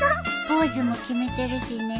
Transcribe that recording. ポーズも決めてるしね。